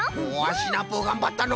シナプーがんばったのう！